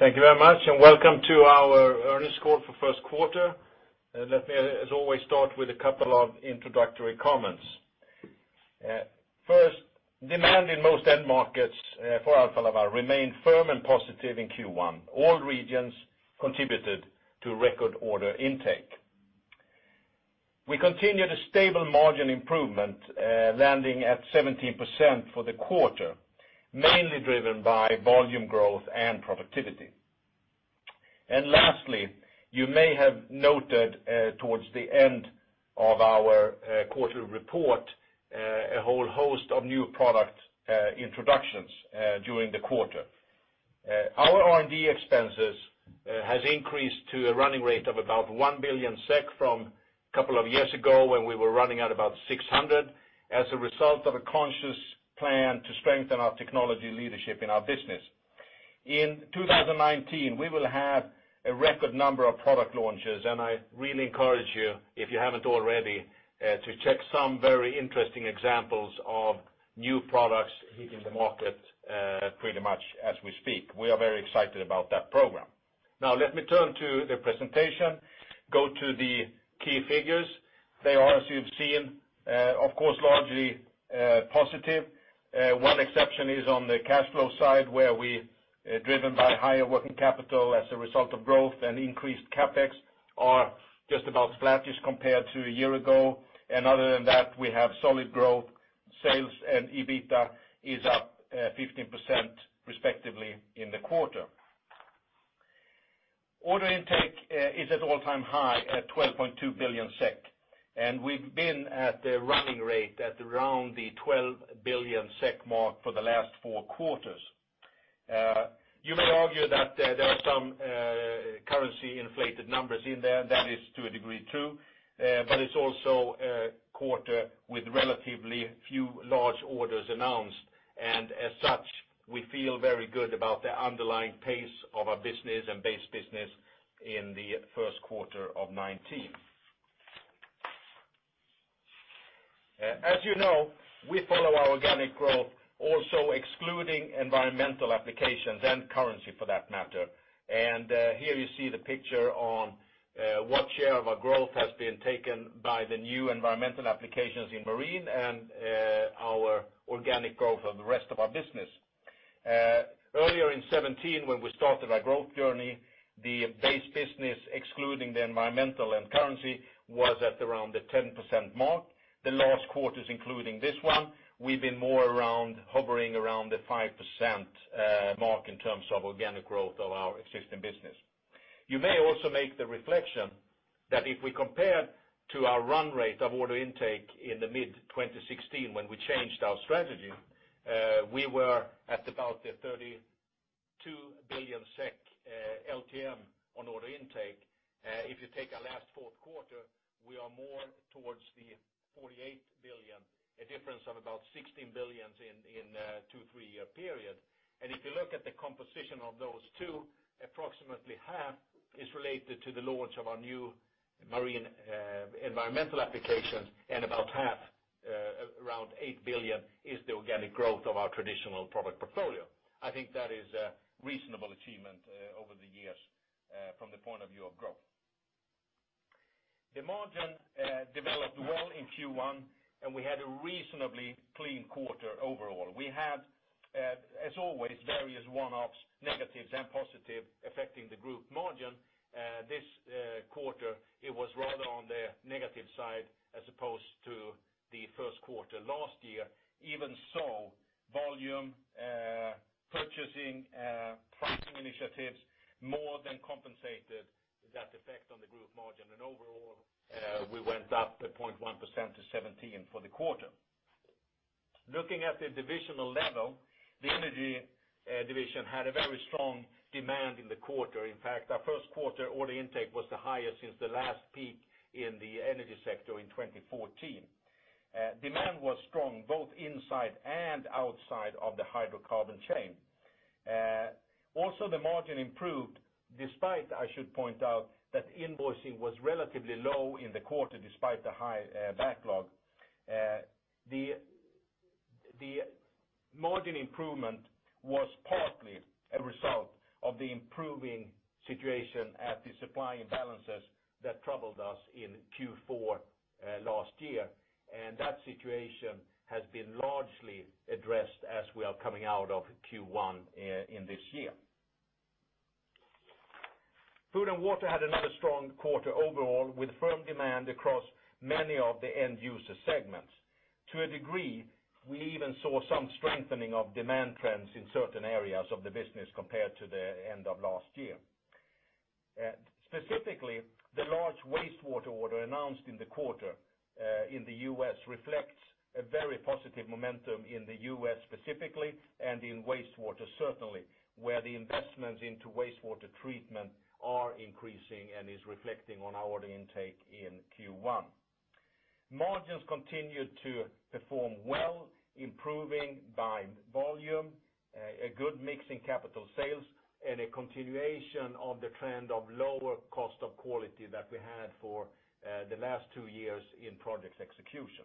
Thank you very much. Welcome to our earnings call for first quarter. Let me, as always, start with a couple of introductory comments. First, demand in most end markets for Alfa Laval remained firm and positive in Q1. All regions contributed to record order intake. We continued a stable margin improvement, landing at 17% for the quarter, mainly driven by volume growth and productivity. Lastly, you may have noted towards the end of our quarterly report, a whole host of new product introductions during the quarter. Our R&D expenses has increased to a running rate of about 1 billion SEK from a couple of years ago when we were running at about 600 million, as a result of a conscious plan to strengthen our technology leadership in our business. In 2019, we will have a record number of product launches. I really encourage you, if you haven't already, to check some very interesting examples of new products hitting the market pretty much as we speak. We are very excited about that program. Let me turn to the presentation, go to the key figures. They are, as you've seen, of course, largely positive. One exception is on the cash flow side, where we, driven by higher working capital as a result of growth and increased CapEx, are just about flat-ish compared to a year ago. Other than that, we have solid growth, sales and EBITDA is up 15% respectively in the quarter. Order intake is at an all-time high at 12.2 billion SEK, and we've been at the running rate at around the 12 billion SEK mark for the last four quarters. You may argue that there are some currency-inflated numbers in there. That is to a degree, too. It's also a quarter with relatively few large orders announced. As such, we feel very good about the underlying pace of our business and base business in the first quarter of 2019. As you know, we follow our organic growth also excluding environmental applications and currency for that matter. Here you see the picture on what share of our growth has been taken by the new environmental applications in Marine and our organic growth of the rest of our business. Earlier in 2017, when we started our growth journey, the base business, excluding the environmental and currency, was at around the 10% mark. The last quarters, including this one, we've been more hovering around the 5% mark in terms of organic growth of our existing business. You may also make the reflection that if we compare to our run rate of order intake in the mid 2016, when we changed our strategy, we were at about the 32 billion SEK LTM on order intake. If you take our last fourth quarter, we are more towards the 48 billion, a difference of about 16 billion in a two-three-year period. If you look at the composition of those two, approximately half is related to the launch of our new Marine environmental applications, and about half, around 8 billion, is the organic growth of our traditional product portfolio. I think that is a reasonable achievement over the years from the point of view of growth. The margin developed well in Q1. We had a reasonably clean quarter overall. We had, as always, various one-offs, negatives and positive, affecting the group margin. This quarter, it was rather on the negative side as opposed to the first quarter last year. Even so, volume purchasing, pricing initiatives more than compensated that effect on the group margin. Overall, we went up at 0.1% to 17% for the quarter. Looking at the divisional level, the Energy division had a very strong demand in the quarter. In fact, our first quarter order intake was the highest since the last peak in the energy sector in 2014. Demand was strong both inside and outside of the hydrocarbon chain. Also, the margin improved despite, I should point out, that invoicing was relatively low in the quarter, despite the high backlog. The margin improvement was partly a result of the improving situation at the supply imbalances that troubled us in Q4 last year. That situation has been largely addressed as we are coming out of Q1 this year. Food and Water had another strong quarter overall, with firm demand across many of the end user segments. To a degree, we even saw some strengthening of demand trends in certain areas of the business compared to the end of last year. Specifically, the large wastewater order announced in the quarter in the U.S. reflects a very positive momentum in the U.S. specifically, and in wastewater certainly, where the investments into wastewater treatment are increasing and is reflecting on our intake in Q1. Margins continued to perform well, improving by volume, a good mix in capital sales, and a continuation of the trend of lower cost of quality that we had for the last two years in projects execution.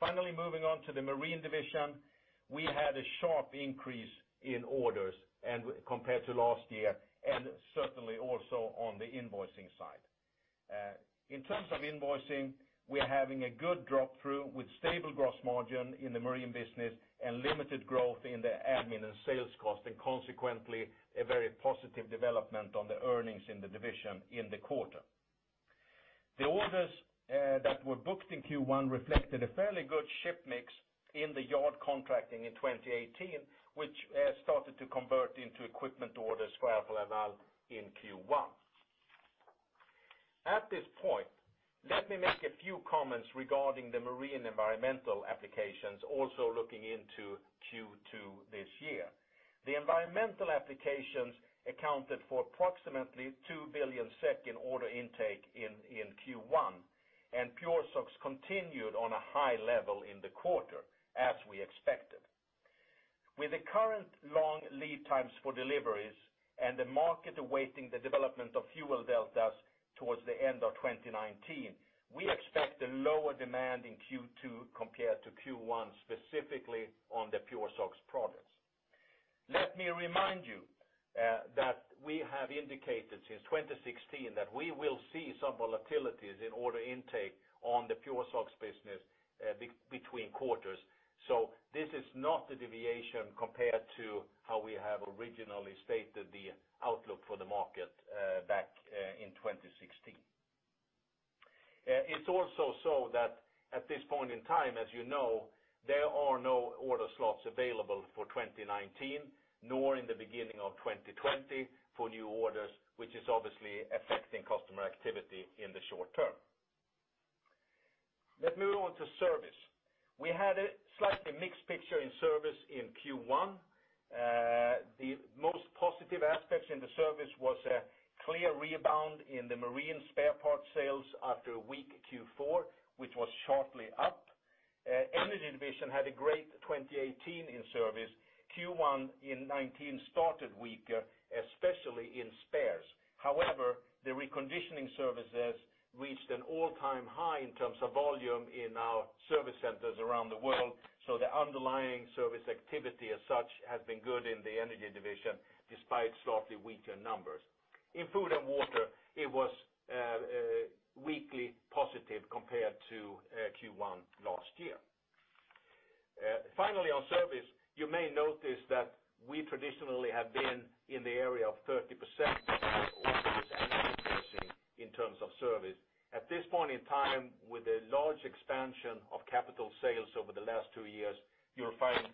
Finally, moving on to the Marine division. We had a sharp increase in orders compared to last year, certainly also on the invoicing side. In terms of invoicing, we are having a good drop through with stable gross margin in the marine business and limited growth in the admin and sales cost, consequently, a very positive development on the earnings in the division in the quarter. The orders that were booked in Q1 reflected a fairly good ship mix in the yard contracting in 2018, which started to convert into equipment orders for Alfa Laval in Q1. At this point, let me make a few comments regarding the marine environmental applications, also looking into Q2 this year. The environmental applications accounted for approximately 2 billion SEK in order intake in Q1. PureSOx continued on a high level in the quarter, as we expected. With the current long lead times for deliveries and the market awaiting the development of fuel deltas towards the end of 2019, we expect a lower demand in Q2 compared to Q1, specifically on the PureSOx products. Let me remind you that we have indicated since 2016 that we will see some volatilities in order intake on the PureSOx business between quarters. This is not a deviation compared to how we have originally stated the outlook for the market back in 2016. It's also so that at this point in time, as you know, there are no order slots available for 2019, nor in the beginning of 2020 for new orders, which is obviously affecting customer activity in the short term. Let's move on to service. We had a slightly mixed picture in service in Q1. The most positive aspects in the service was a clear rebound in the marine spare parts sales after a weak Q4, which was sharply up. Energy division had a great 2018 in service. Q1 in 2019 started weaker, especially in spares. However, the reconditioning services reached an all-time high in terms of volume in our service centers around the world, so the underlying service activity as such has been good in the Energy division, despite slightly weaker numbers. In Food and Water, it was weakly positive compared to Q1 last year. Finally, on service, you may notice that we traditionally have been in the area of 30% orders and invoicing in terms of service. At this point in time, with a large expansion of capital sales over the last two years, you will find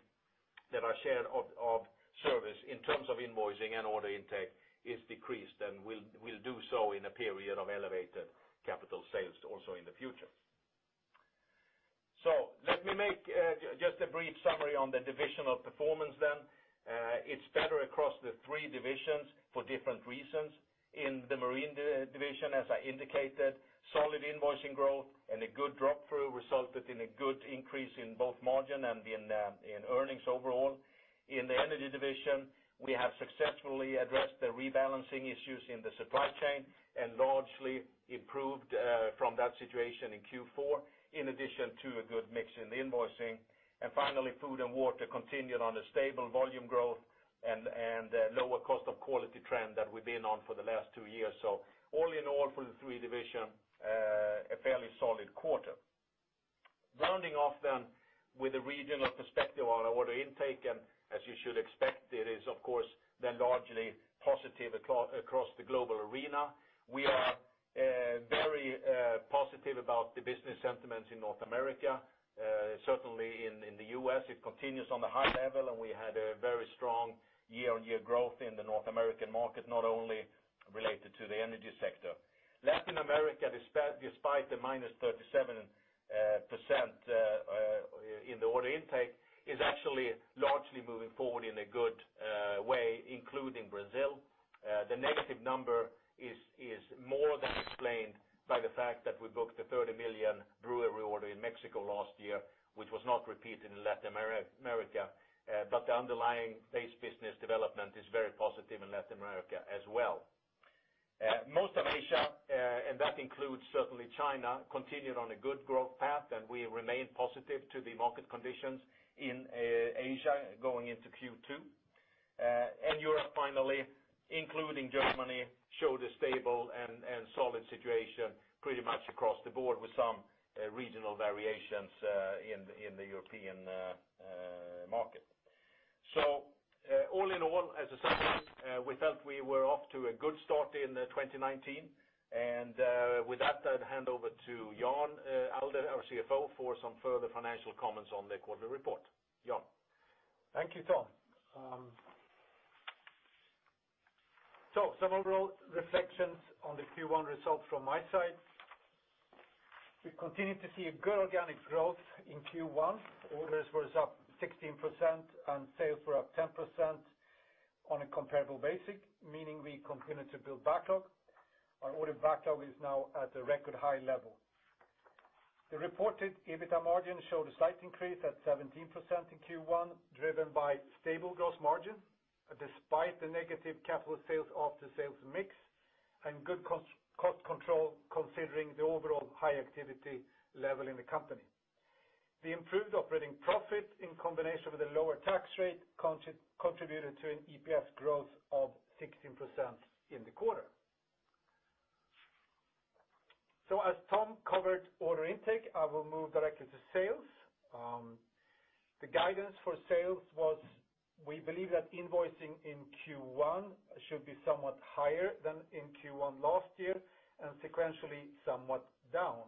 that our share of service in terms of invoicing and order intake is decreased and will do so in a period of elevated capital sales also in the future. Let me make just a brief summary on the divisional performance then. It's better across the three divisions for different reasons. In the Marine division, as I indicated, solid invoicing growth and a good drop through resulted in a good increase in both margin and in earnings overall. In the Energy division, we have successfully addressed the rebalancing issues in the supply chain and largely improved from that situation in Q4, in addition to a good mix in invoicing. Finally, Food and Water continued on a stable volume growth and a lower cost of quality trend that we've been on for the last two years. All in all, for the three divisions, a fairly solid quarter. Rounding off then with a regional perspective on our order intake, and as you should expect, it is, of course, then largely positive across the global arena. We are very positive about the business sentiments in North America. Certainly, in the U.S., it continues on a high level, and we had a very strong year-on-year growth in the North American market, not only related to the energy sector. Latin America, despite the -37% in the order intake, is actually largely moving forward in a good way, including Brazil. The negative number is more than explained by the fact that we booked a 30 million brewery order in Mexico last year, which was not repeated in Latin America, but the underlying base business development is very positive in Latin America as well. Most of Asia, and that includes certainly China, continued on a good growth path, and we remain positive to the market conditions in Asia going into Q2. Europe finally, including Germany, showed a stable and solid situation pretty much across the board with some regional variations in the European market. All in all, as I said, we felt we were off to a good start in 2019. With that, I'll hand over to Jan Allde, our CFO, for some further financial comments on the quarterly report. Jan? Thank you, Tom. Some overall reflections on the Q1 results from my side. We continued to see a good organic growth in Q1. Orders were up 16% and sales were up 10% on a comparable basis, meaning we continued to build backlog. Our order backlog is now at a record high level. The reported EBITA margin showed a slight increase at 17% in Q1, driven by stable gross margin, despite the negative capital sales of the sales mix. Good cost control considering the overall high activity level in the company. The improved operating profit, in combination with the lower tax rate, contributed to an EPS growth of 16% in the quarter. As Tom covered order intake, I will move directly to sales. The guidance for sales was, we believe that invoicing in Q1 should be somewhat higher than in Q1 last year, and sequentially somewhat down.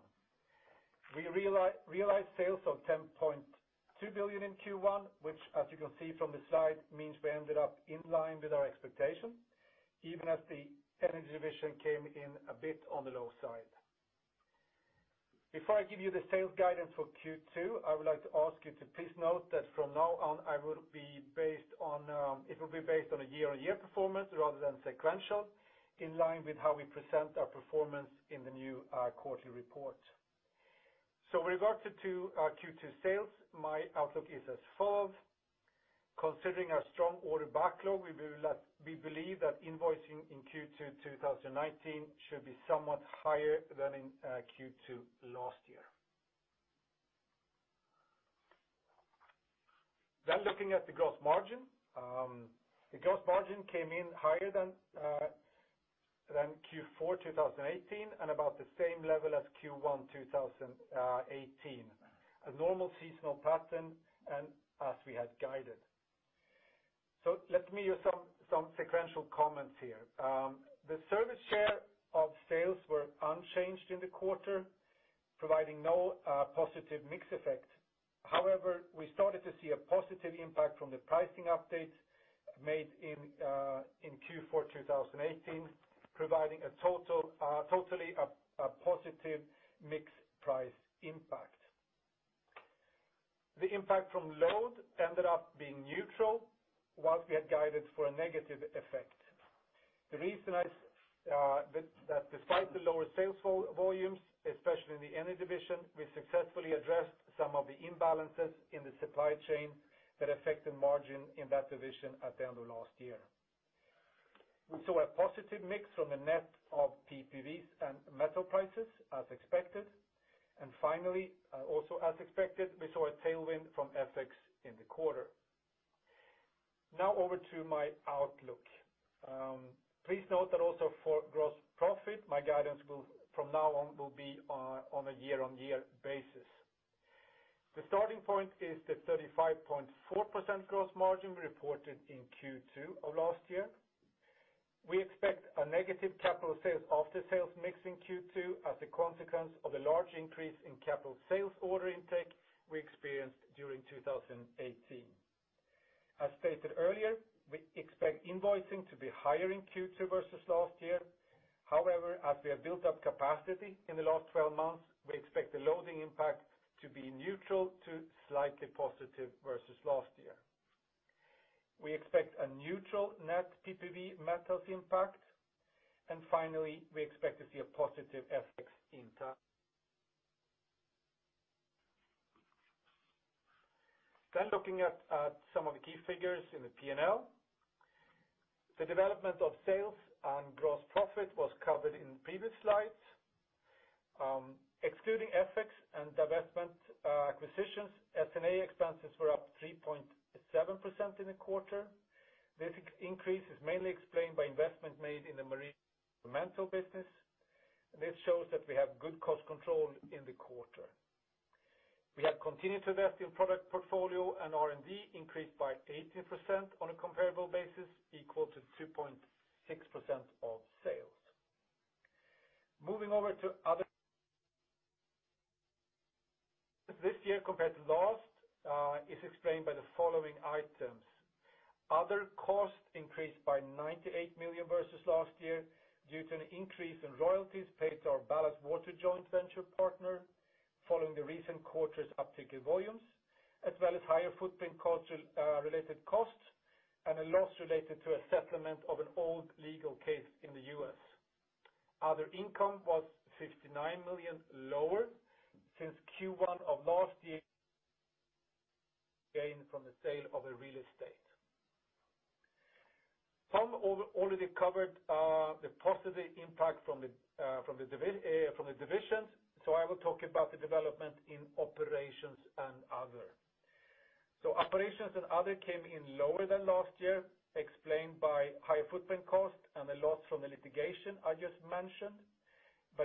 We realized sales of 10.2 billion in Q1, which, as you can see from the slide, means we ended up in line with our expectation, even as the Energy division came in a bit on the low side. Before I give you the sales guidance for Q2, I would like to ask you to please note that from now on, it will be based on a year-on-year performance rather than sequential, in line with how we present our performance in the new quarterly report. With regards to our Q2 sales, my outlook is as follows. Considering our strong order backlog, we believe that invoicing in Q2 2019 should be somewhat higher than in Q2 last year. Looking at the gross margin. The gross margin came in higher than Q4 2018 and about the same level as Q1 2018. A normal seasonal pattern, and as we had guided. Let me give some sequential comments here. The service share of sales were unchanged in the quarter, providing no positive mix effect. However, we started to see a positive impact from the pricing updates made in Q4 2018, providing a totally positive mix price impact. The impact from load ended up being neutral, whilst we had guided for a negative effect. The reason is that despite the lower sales volumes, especially in the Energy division, we successfully addressed some of the imbalances in the supply chain that affected margin in that division at the end of last year. We saw a positive mix from a net of PPVs and metal prices as expected. Finally, also as expected, we saw a tailwind from FX in the quarter. Over to my outlook. Please note that also for gross profit, my guidance from now on will be on a year-on-year basis. The starting point is the 35.4% gross margin we reported in Q2 of last year. We expect a negative capital sales off the sales mix in Q2 as a consequence of a large increase in capital sales order intake we experienced during 2018. As stated earlier, we expect invoicing to be higher in Q2 versus last year. However, as we have built up capacity in the last 12 months, we expect the loading impact to be neutral to slightly positive versus last year. We expect a neutral net PPV metals impact. Finally, we expect to see a positive FX impact. Looking at some of the key figures in the P&L. The development of sales and gross profit was covered in previous slides. Excluding FX and divestment acquisitions, SG&A expenses were up 3.7% in the quarter. This increase is mainly explained by investment made in the marine business. This shows that we have good cost control in the quarter. We have continued to invest in product portfolio, R&D increased by 18% on a comparable basis, equal to 2.6% of sales. Moving over to other this year compared to last, is explained by the following items. Other costs increased by 98 million versus last year due to an increase in royalties paid to our ballast water joint venture partner following the recent quarters' uptick in volumes, as well as higher footprint related costs, and a loss related to a settlement of an old legal case in the U.S. Other income was 59 million lower since Q1 of last year gain from the sale of a real estate. Tom already covered the positive impact from the divisions, I will talk about the development in Operations and Other. Operations and Other came in lower than last year, explained by higher footprint cost and a loss from the litigation I just mentioned.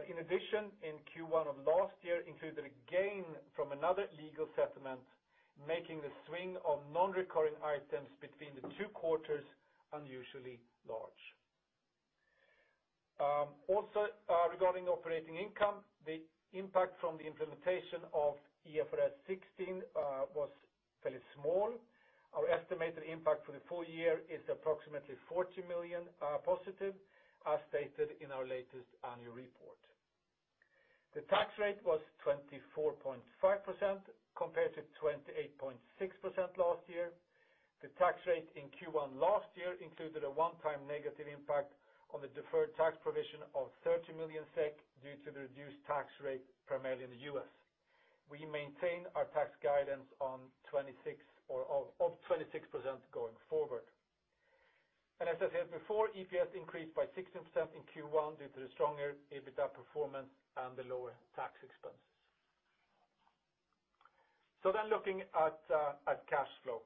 In addition, in Q1 of last year included a gain from another legal settlement, making the swing of non-recurring items between the two quarters unusually large. Regarding operating income, the impact from the implementation of IFRS 16 was fairly small. Our estimated impact for the full year is approximately 40 million positive, as stated in our latest annual report. The tax rate was 24.5% compared to 28.6% last year. The tax rate in Q1 last year included a one-time negative impact on the deferred tax provision of 30 million SEK due to the reduced tax rate, primarily in the U.S. We maintain our tax guidance of 26% going forward. As I said before, EPS increased by 16% in Q1 due to the stronger EBITDA performance and the lower tax expenses. Looking at cash flow.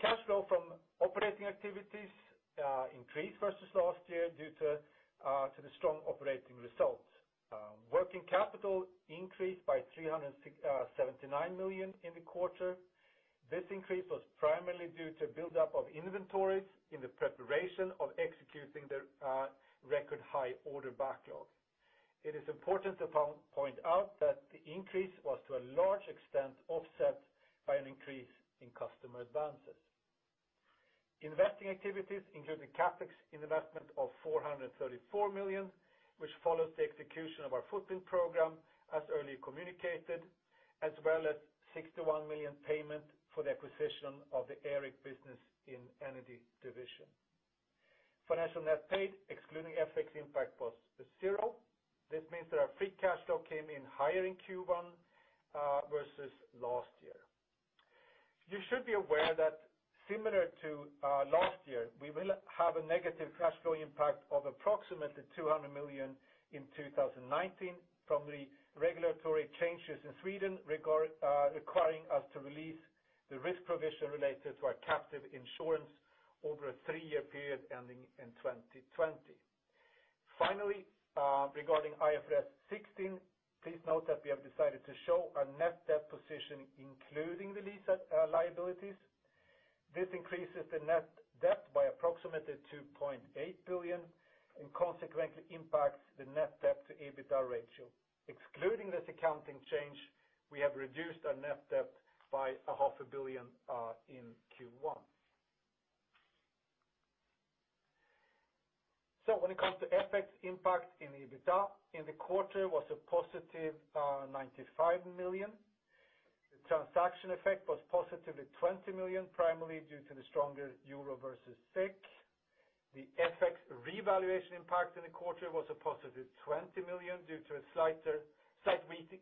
Cash flow from operating activities increased versus last year due to the strong operating results. Working capital increased by 379 million in the quarter. This increase was primarily due to build-up of inventories in the preparation of executing the record high order backlog. It is important to point out that the increase was to a large extent offset by an increase in customer advances. Investing activities, including CapEx, investment of 434 million, which follows the execution of our footprint program, as earlier communicated, as well as 61 million payment for the acquisition of the ACE business in Energy division. Financial net paid, excluding FX impact, was zero. This means that our free cash flow came in higher in Q1 versus last year. You should be aware that similar to last year, we will have a negative cash flow impact of approximately 200 million in 2019 from the regulatory changes in Sweden requiring us to release the risk provision related to our captive insurance over a three-year period ending in 2020. Finally, regarding IFRS 16, please note that we have decided to show our net debt position, including the lease liabilities. This increases the net debt by approximately 2.8 billion and consequently impacts the net debt to EBITDA ratio. Excluding this accounting change, we have reduced our net debt by a half a billion SEK in Q1. When it comes to FX impact in EBITDA, in the quarter was a positive 95 million. The transaction effect was positively 20 million, primarily due to the stronger EUR versus SEK. The FX revaluation impact in the quarter was a positive 20 million due to a slight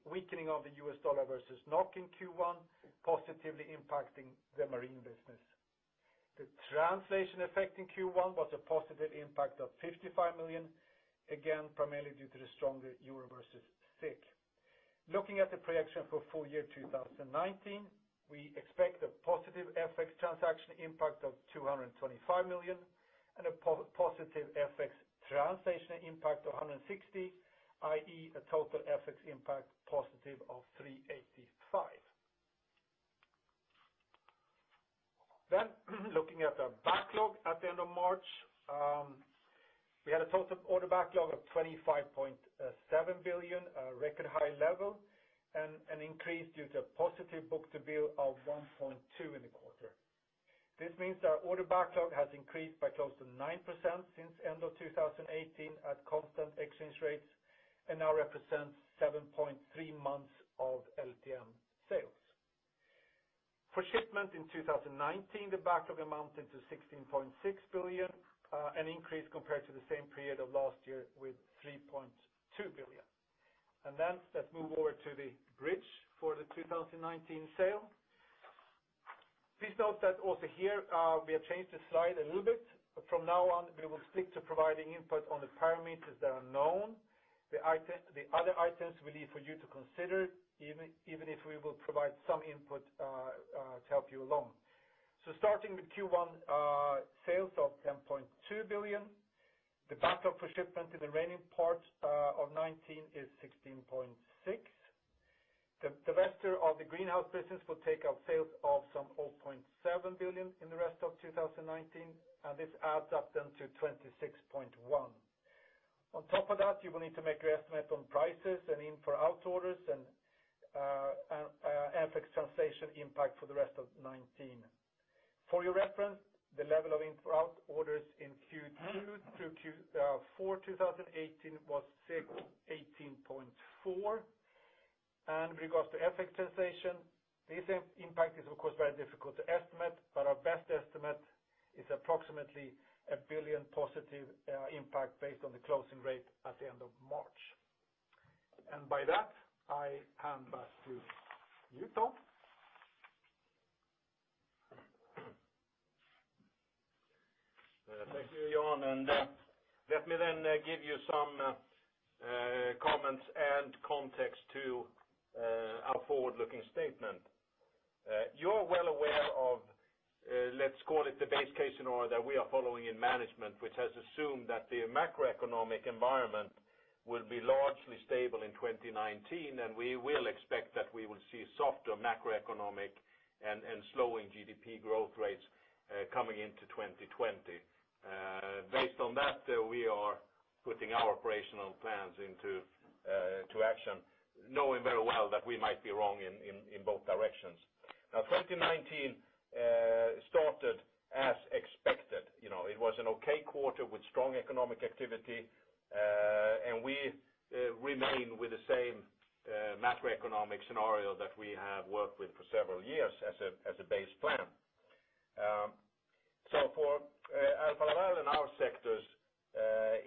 weakening of the US dollar versus NOK in Q1, positively impacting the marine business. The translation effect in Q1 was a positive impact of 55 million, again, primarily due to the stronger EUR versus SEK. Looking at the projection for full year 2019, we expect a positive FX transaction impact of 225 million and a positive FX translation impact of 160 million, i.e., a total FX impact positive of 385 million. Looking at our backlog at the end of March, we had a total order backlog of 25.7 billion, a record high level, and an increase due to positive book-to-bill of 1.2 in the quarter. This means our order backlog has increased by close to 9% since end of 2018 at constant exchange rates and now represents 7.3 months of LTM sales. For shipment in 2019, the backlog amounted to 16.6 billion, an increase compared to the same period of last year with 3.2 billion. Let's move over to the bridge for the 2019 sale. Please note that also here, we have changed the slide a little bit. From now on, we will stick to providing input on the parameters that are known. The other items we leave for you to consider, even if we will provide some input to help you along. Starting with Q1 sales of 10.2 billion, the backlog for shipment in the remaining part of 2019 is 16.6 billion. The divesture of the Greenhouse division will take up sales of some 0.7 billion in the rest of 2019, and this adds up then to 26.1 billion. On top of that, you will need to make your estimate on prices and in-for-out orders and FX translation impact for the rest of 2019. For your reference, the level of in-for-out orders in Q2 through Q4 2018 was 18.4 billion. Regards to FX translation, this impact is, of course, very difficult to estimate, but our best estimate is approximately 1 billion positive impact based on the closing rate at the end of March. By that, I hand back to you, Tom. Thank you, Jan, and let me then give you some comments and context to our forward-looking statement. You're well aware of, let's call it the base case scenario that we are following in management, which has assumed that the macroeconomic environment will be largely stable in 2019, and we will expect that we will see softer macroeconomic and slowing GDP growth rates coming into 2020. Based on that, we are putting our operational plans into action, knowing very well that we might be wrong in both directions. 2019 started as expected. It was an okay quarter with strong economic activity, and we remain with the same macroeconomic scenario that we have worked with for several years as a base plan. In our sectors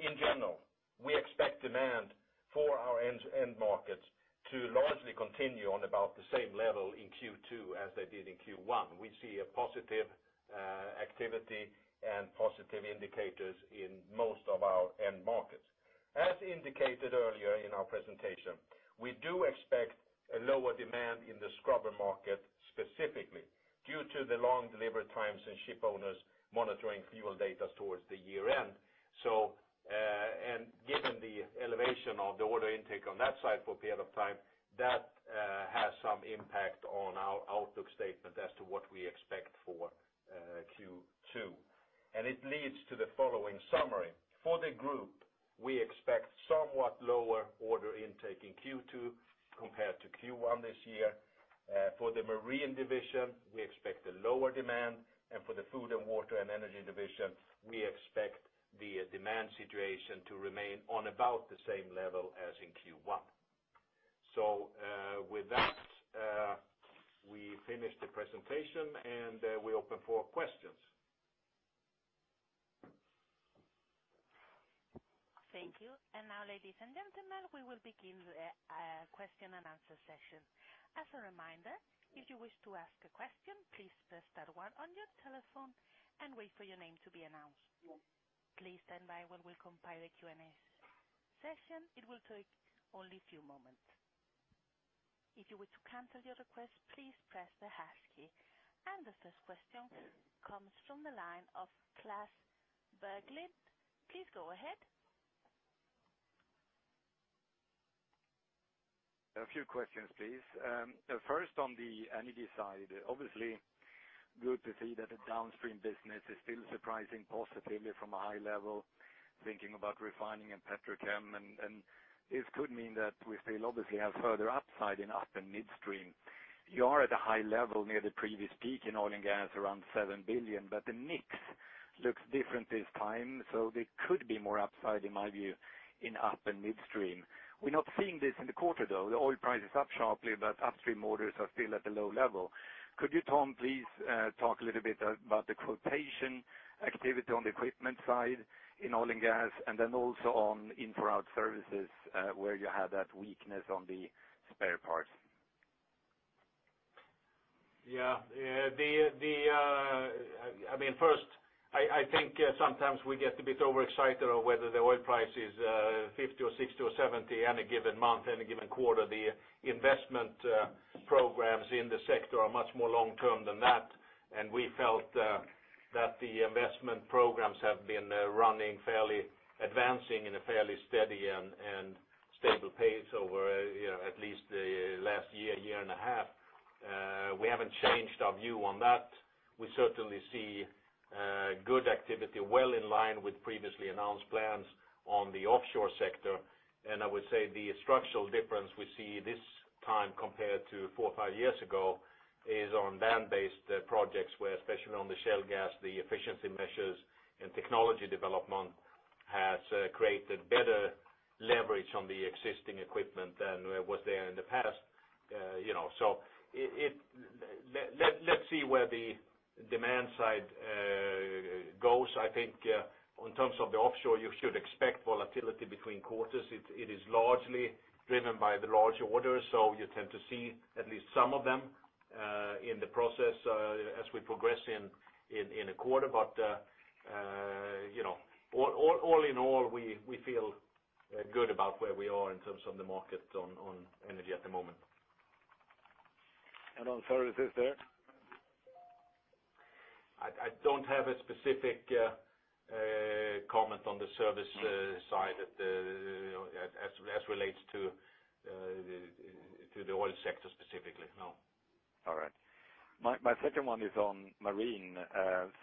in general, we expect demand for our end markets to largely continue on about the same level in Q2 as they did in Q1. We see a positive activity and positive indicators in most of our end markets. As indicated earlier in our presentation, we do expect a lower demand in the scrubber market, specifically, due to the long delivery times and ship owners monitoring fuel data towards the year-end. Given the elevation of the order intake on that side for a period of time, that has some impact on our outlook statement as to what we expect for Q2. It leads to the following summary. For the group, we expect somewhat lower order intake in Q2 compared to Q1 this year. For the Marine Division, we expect a lower demand. For the Food, Water, and Energy Division, we expect the demand situation to remain on about the same level as in Q1. With that, we finish the presentation, and we open for questions. Thank you. Now, ladies and gentlemen, we will begin the question and answer session. As a reminder, if you wish to ask a question, please press star one on your telephone and wait for your name to be announced. Please stand by while we compile the Q&A session. It will take only a few moments. If you wish to cancel your request, please press the hash key. The first question comes from the line of Klas Bergelind. Please go ahead. A few questions, please. First, on the energy side, obviously good to see that the downstream business is still surprising positively from a high level, thinking about refining and petrochem, and this could mean that we still obviously have further upside in up- and midstream. You are at a high level near the previous peak in oil and gas, around 7 billion, but the mix looks different this time, so there could be more upside, in my view, in up- and midstream. We're not seeing this in the quarter, though. The oil price is up sharply, but upstream orders are still at a low level. Could you, Tom, please talk a little bit about the quotation activity on the equipment side in oil and gas, and then also on in-for-out services, where you have that weakness on the spare parts? First, I think sometimes we get a bit overexcited on whether the oil price is 50 or 60 or 70 on a given month, any given quarter. The investment programs in the sector are much more long-term than that, and we felt that the investment programs have been advancing in a fairly steady and stable pace over at least the last year and a half. We haven't changed our view on that. We certainly see good activity, well in line with previously announced plans on the offshore sector. I would say the structural difference we see this time compared to four or five years ago is on land-based projects, where, especially on the shale gas, the efficiency measures and technology development has created better leverage on the existing equipment than was there in the past. Let's see where the demand side goes. I think in terms of the offshore, you should expect volatility between quarters. It is largely driven by the large orders, so you tend to see at least some of them in the process as we progress in a quarter. All in all, we feel good about where we are in terms of the market on energy at the moment. On services there? I don't have a specific comment on the service side as it relates to the oil sector specifically, no. My second one is on Marine.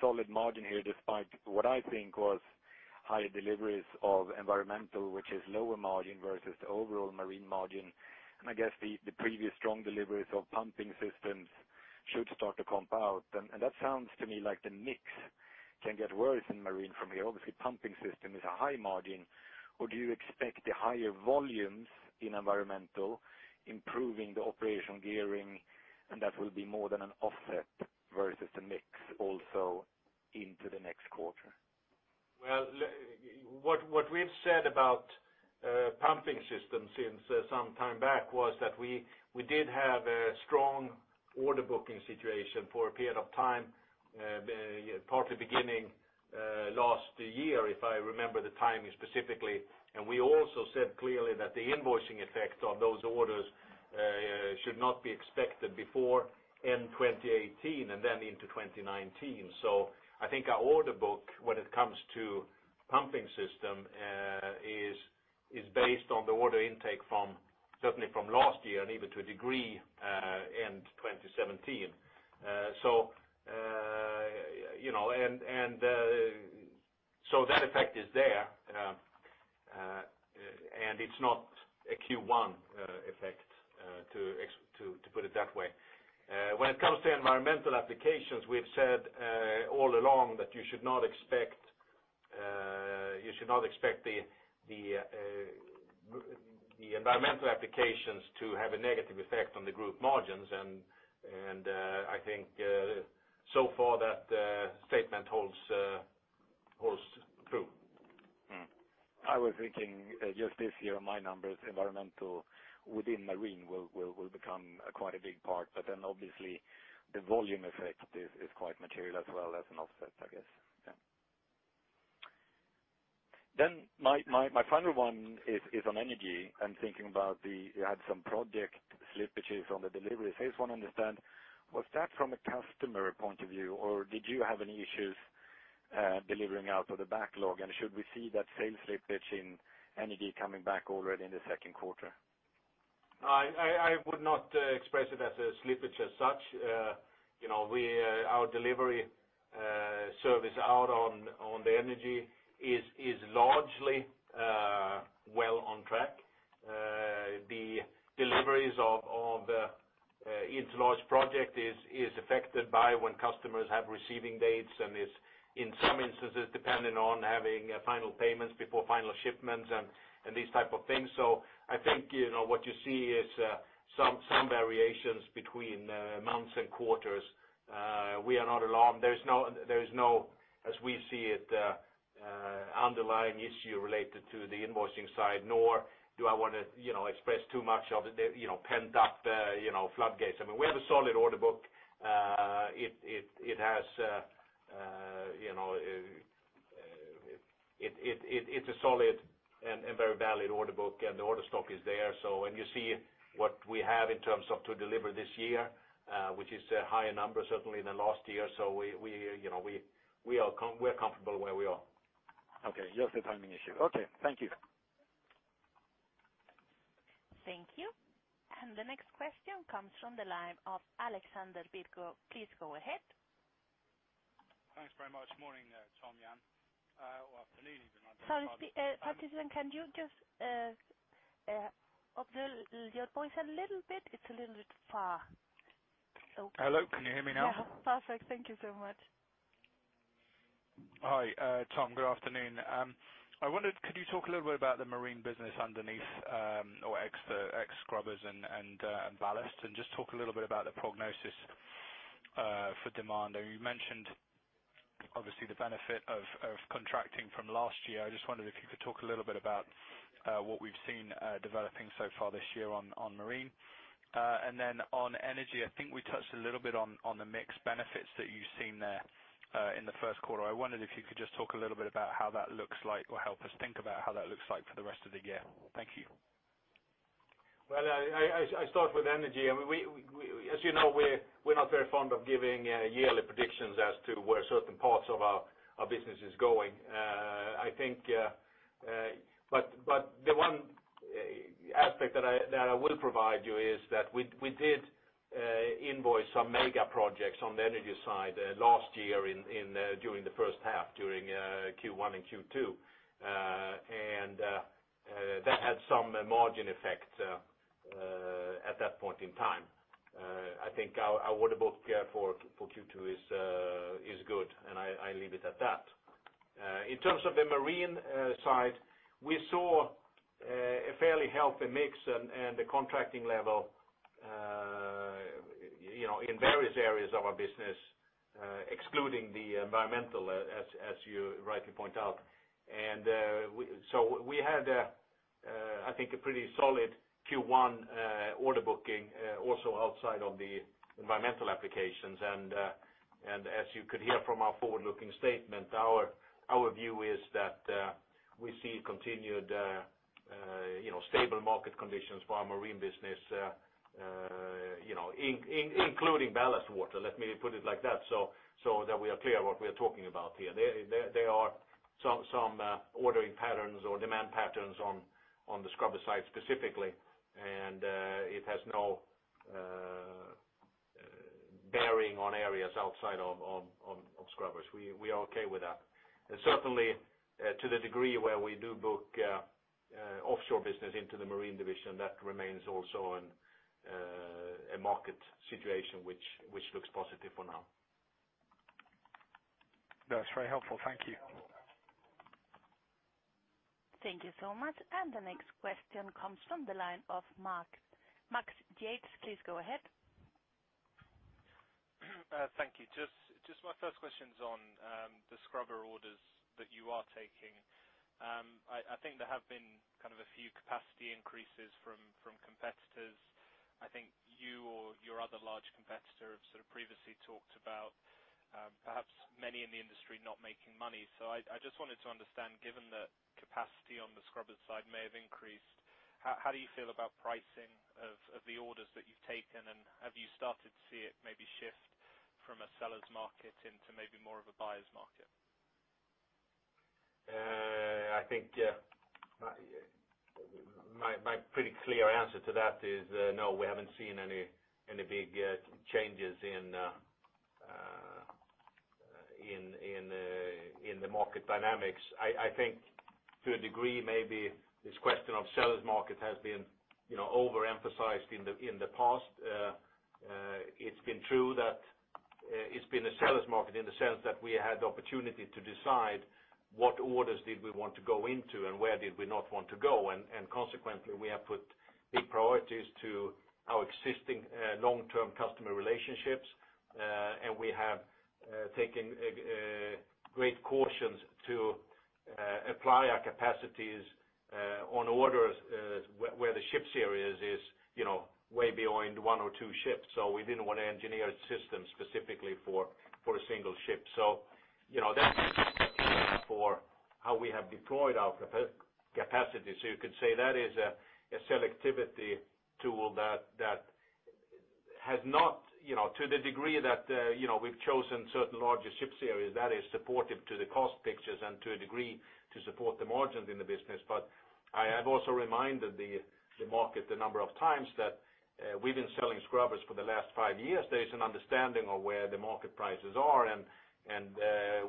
Solid margin here, despite what I think was higher deliveries of environmental, which is lower margin versus the overall Marine margin. I guess the previous strong deliveries of pumping systems should start to compound. That sounds to me like the mix can get worse in Marine from here. Obviously, pumping system is a high margin. Do you expect the higher volumes in environmental improving the operational gearing, and that will be more than an offset versus the mix also into the next quarter? What we've said about pumping systems since some time back was that we did have a strong order booking situation for a period of time, partly beginning last year, if I remember the timing specifically. We also said clearly that the invoicing effect of those orders should not be expected before end 2018 and then into 2019. I think our order book when it comes to pumping system is based on the order intake certainly from last year and even to a degree end 2017. That effect is there, and it's not a Q1 effect, to put it that way. When it comes to environmental applications, we've said all along that we should not expect the environmental applications to have a negative effect on the group margins, and I think so far that statement holds true. I was thinking just this year, my numbers environmental within marine will become quite a big part. Obviously the volume effect is quite material as well as an offset, I guess. My final one is on energy, I'm thinking about you had some project slippages on the delivery phase. I just want to understand, was that from a customer point of view, or did you have any issues delivering out of the backlog? Should we see that same slippage in energy coming back already in the second quarter? I would not express it as a slippage as such. Our delivery service out on the energy is largely well on track. The deliveries of each large project is affected by when customers have receiving dates and is in some instances dependent on having final payments before final shipments and these type of things. I think, what you see is some variations between months and quarters. We are not alarmed. There is no, as we see it, underlying issue related to the invoicing side, nor do I want to express too much of the pent up floodgates. We have a solid order book. It's a solid and very valid order book, and the order stock is there. When you see what we have in terms of to deliver this year, which is a higher number certainly than last year. We're comfortable where we are. Okay. Just a timing issue. Okay. Thank you. Thank you. The next question comes from the line of Alexander Virgo. Please go ahead. Thanks very much. Morning there, Tom, Jan. Afternoon. Sorry, participant, can you just up your voice a little bit? It's a little bit far. Okay. Hello, can you hear me now? Yeah. Perfect. Thank you so much. Hi, Tom. Good afternoon. I wondered, could you talk a little bit about the marine business underneath, or ex the scrubbers and ballast, and just talk a little bit about the prognosis for demand? I know you mentioned, obviously, the benefit of contracting from last year. I just wondered if you could talk a little bit about what we've seen developing so far this year on marine. Then on energy, I think we touched a little bit on the mix benefits that you've seen there in the first quarter. I wondered if you could just talk a little bit about how that looks like or help us think about how that looks like for the rest of the year. Thank you. Well, I start with energy, as you know, we're not very fond of giving yearly predictions as to where certain parts of our business is going. The one aspect that I will provide you is that we did invoice some mega projects on the energy side last year during the first half, during Q1 and Q2, and that had some margin effect at that point in time. I think our order book here for Q2 is good, and I leave it at that. In terms of the marine side, we saw a fairly healthy mix and the contracting level in various areas of our business, excluding the environmental, as you rightly point out. So we had, I think, a pretty solid Q1 order booking also outside of the environmental applications. As you could hear from our forward-looking statement, our view is that we see continued stable market conditions for our marine business including ballast water, let me put it like that so that we are clear what we are talking about here. There are some ordering patterns or demand patterns on the scrubber side specifically, and it has no bearing on areas outside of scrubbers. We are okay with that. Certainly, to the degree where we do book offshore business into the Marine division, that remains also in a market situation which looks positive for now. That's very helpful. Thank you. Thank you so much. The next question comes from the line of Max Yates. Max Yates, please go ahead. Thank you. Just my first question's on the scrubber orders that you are taking. I think there have been kind of a few capacity increases from competitors. I think you or your other large competitor have sort of previously talked about perhaps many in the industry not making money. I just wanted to understand, given that capacity on the scrubber side may have increased, how do you feel about pricing of the orders that you've taken, and have you started to see it maybe shift from a seller's market into maybe more of a buyer's market? I think my pretty clear answer to that is, no, we haven't seen any big changes in the market dynamics. I think to a degree, maybe this question of seller's market has been overemphasized in the past. It's been true that it's been a seller's market in the sense that we had the opportunity to decide what orders did we want to go into and where did we not want to go. Consequently, we have put big priorities to our existing long-term customer relationships, and we have taken great cautions to apply our capacities on orders where the ship series is way beyond one or two ships. We didn't want to engineer systems specifically for a single ship. That's for how we have deployed our capacity. You could say that is a selectivity tool that has not to the degree that we've chosen certain larger ship series, that is supportive to the cost pictures and to a degree to support the margins in the business. I have also reminded the market a number of times that we've been selling scrubbers for the last five years. There is an understanding of where the market prices are, and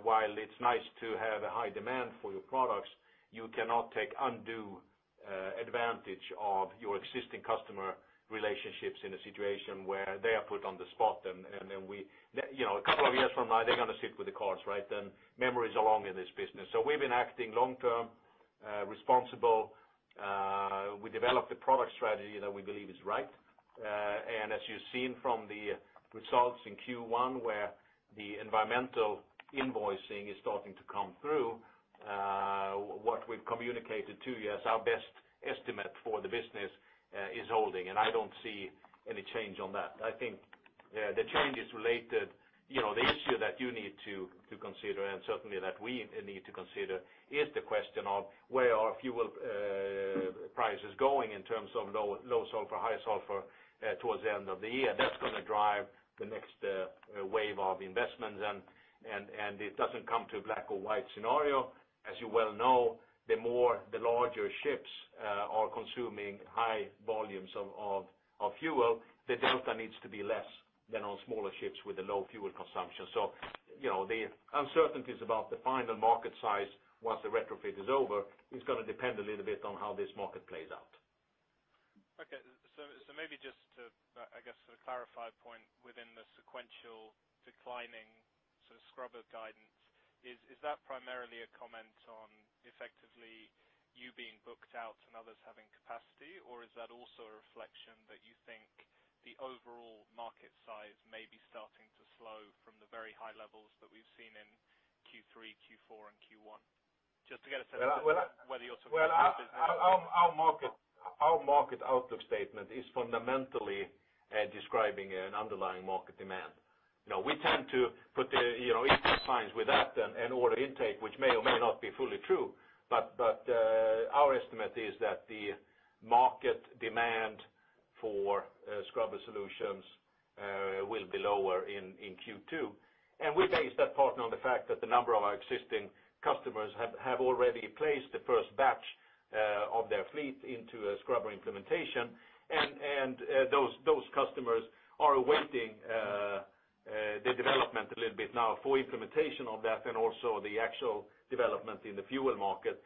while it's nice to have a high demand for your products, you cannot take undue advantage of your existing customer relationships in a situation where they are put on the spot. A couple of years from now, they're going to sit with the cards. Memory is long in this business. We've been acting long-term, responsible. We developed a product strategy that we believe is right. As you've seen from the results in Q1, where the environmental invoicing is starting to come through, what we've communicated to you as our best estimate for the business is holding, and I don't see any change on that. I think the change is the issue that you need to consider, and certainly that we need to consider, is the question of where are fuel prices going in terms of low sulfur, high sulfur towards the end of the year. That's going to drive the next wave of investments, and it doesn't come to a black or white scenario. As you well know, the larger ships are consuming high volumes of fuel. The delta needs to be less than on smaller ships with a low fuel consumption. The uncertainties about the final market size once the retrofit is over is going to depend a little bit on how this market plays out. Okay. Maybe just to, I guess, clarify a point within the sequential declining scrubber guidance. Is that primarily a comment on effectively you being booked out and others having capacity, or is that also a reflection that you think the overall market size may be starting to slow from the very high levels that we've seen in Q3, Q4, and Q1? Well, our market outlook statement is fundamentally describing an underlying market demand. We tend to put equal signs with that and order intake, which may or may not be fully true. Our estimate is that the market demand for scrubber solutions will be lower in Q2. We base that partly on the fact that a number of our existing customers have already placed the first batch of their fleet into a scrubber implementation. Those customers are awaiting the development a little bit now for implementation of that and also the actual development in the fuel market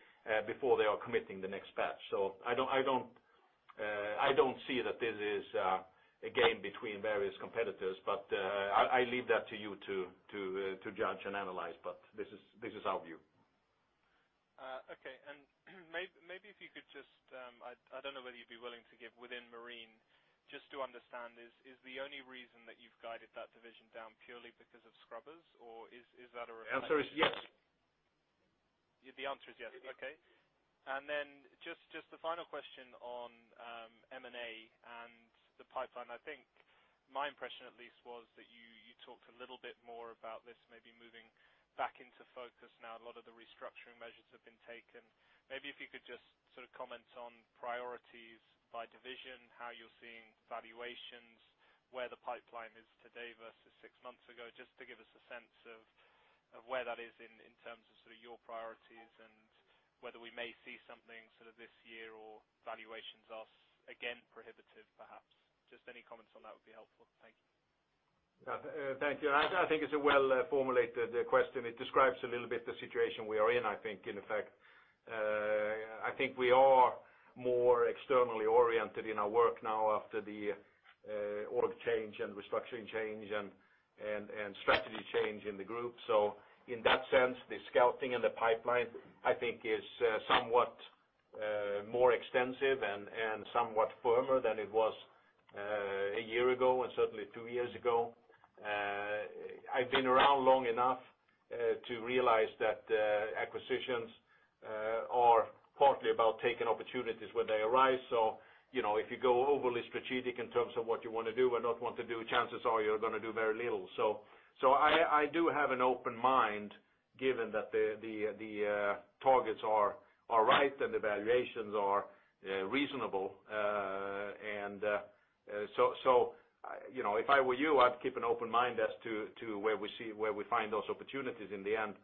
before they are committing the next batch. I don't see that this is a game between various competitors, but I leave that to you to judge and analyze. This is our view. Okay. Maybe if you could I don't know whether you'd be willing to give within Marine, just to understand this, is the only reason that you've guided that division down purely because of scrubbers, or is that a reflection? The answer is yes. The answer is yes. Okay. Just the final question on M&A and the pipeline. I think my impression, at least, was that you talked a little bit more about this maybe moving back into focus now, a lot of the restructuring measures have been taken. Maybe if you could just comment on priorities by division, how you're seeing valuations, where the pipeline is today versus six months ago, just to give us a sense of where that is in terms of your priorities and whether we may see something this year or valuations are, again, prohibitive perhaps. Just any comments on that would be helpful. Thank you. Thank you. I think it's a well-formulated question. It describes a little bit the situation we are in, I think, in effect. I think we are more externally oriented in our work now after the org change and restructuring change and strategy change in the group. In that sense, the scouting and the pipeline, I think is somewhat more extensive and somewhat firmer than it was a year ago and certainly two years ago. I've been around long enough to realize that acquisitions are partly about taking opportunities when they arise. If you go overly strategic in terms of what you want to do or not want to do, chances are you're going to do very little. I do have an open mind given that the targets are right and the valuations are reasonable. If I were you, I'd keep an open mind as to where we find those opportunities in the end.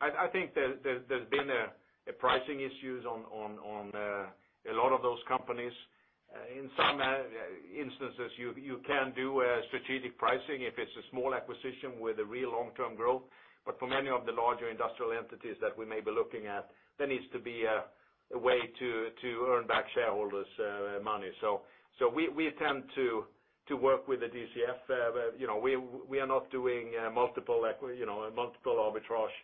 I think there's been pricing issues on a lot of those companies. In some instances, you can do strategic pricing if it's a small acquisition with a real long-term growth. For many of the larger industrial entities that we may be looking at, there needs to be a way to earn back shareholders' money. We tend to work with the DCF. We are not doing multiple arbitrage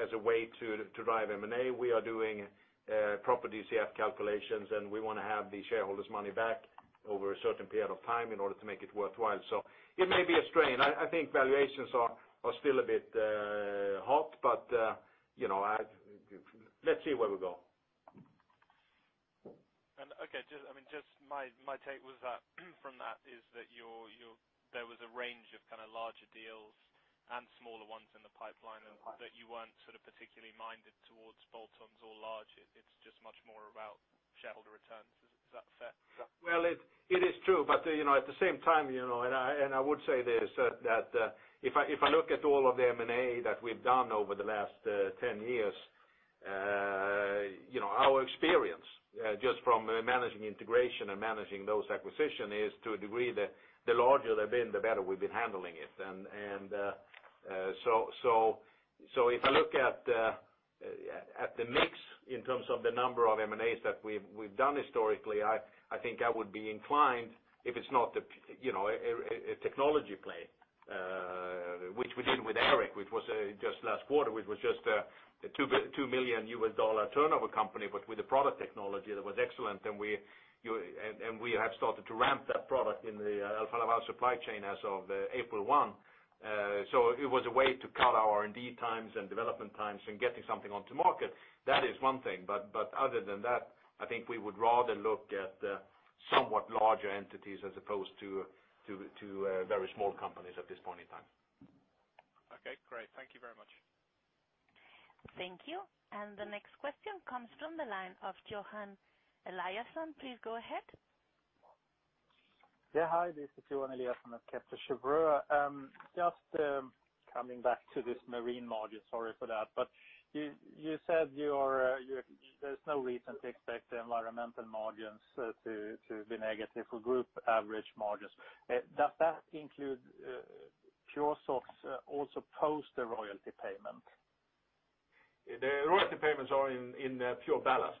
as a way to drive M&A. We are doing proper DCF calculations, and we want to have the shareholders' money back over a certain period of time in order to make it worthwhile. It may be a strain. I think valuations are still a bit hot, let's see where we go. Okay. My take from that is that there was a range of larger deals and smaller ones in the pipeline, and that you weren't particularly minded towards bolt-ons or large, it's just much more about shareholder returns. Is that fair? It is true, at the same time, I would say this, that if I look at all of the M&A that we've done over the last 10 years, our experience, just from managing integration and managing those acquisitions, is to a degree that the larger they've been, the better we've been handling it. If I look at the mix in terms of the number of M&As that we've done historically, I think I would be inclined, if it's not a technology play, which we did with Air Cooled Exchangers, which was just last quarter, which was just a SEK 2 million turnover company, but with a product technology that was excellent. We have started to ramp that product in the Alfa Laval supply chain as of April 1. It was a way to cut our R&D times and development times and getting something onto market. That is one thing, other than that, I think we would rather look at somewhat larger entities as opposed to very small companies at this point in time. Great. Thank you very much. Thank you. The next question comes from the line of Johan Eliason. Please go ahead. Hi, this is Johan Eliason of Kepler Cheuvreux. Just coming back to this marine margin, sorry for that. You said there's no reason to expect the environmental margins to be negative for group average margins. Does that include PureSOx also post the royalty payment? The royalty payments are in the PureBallast.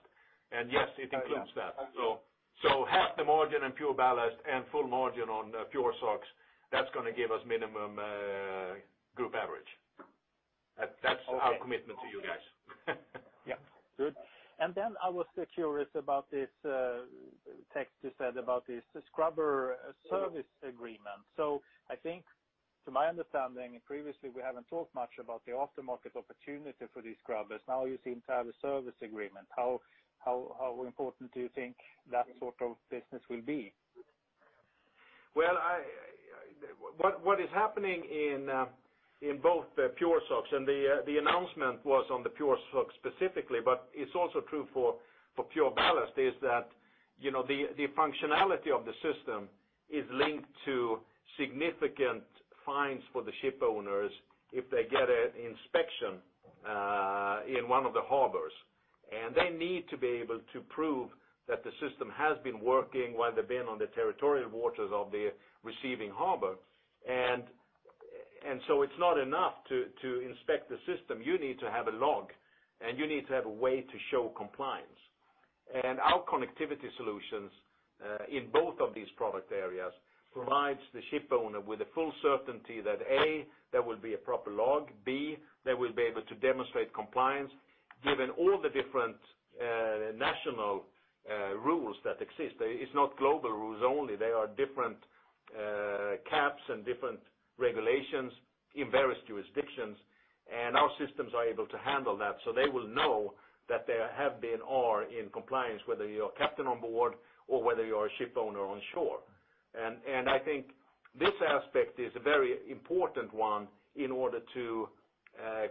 Yes, it includes that. Yeah. Half the margin in PureBallast and full margin on PureSOx, that's going to give us minimum group average. Okay. That's our commitment to you guys. I was still curious about this text you said about the scrubber service agreement. I think to my understanding, previously we haven't talked much about the aftermarket opportunity for these scrubbers. Now you seem to have a service agreement. How important do you think that sort of business will be? What is happening in both PureSOx, and the announcement was on the PureSOx specifically, but it's also true for PureBallast, is that the functionality of the system is linked to significant fines for the ship owners if they get an inspection in one of the harbors. They need to be able to prove that the system has been working while they've been on the territorial waters of the receiving harbor. It's not enough to inspect the system. You need to have a log, and you need to have a way to show compliance. Our connectivity solutions, in both of these product areas, provides the ship owner with the full certainty that, A, there will be a proper log, B, they will be able to demonstrate compliance given all the different national rules that exist. It's not global rules only. There are different caps and different regulations in various jurisdictions, our systems are able to handle that. They will know that they have been or in compliance, whether you're a captain on board or whether you're a ship owner on shore. I think this aspect is a very important one in order to